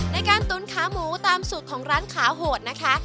ในการตุ๋นขาหมูตามสูตรของร้านขาโหดนะคะ